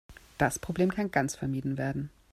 Das Problem kann ganz vermieden werden.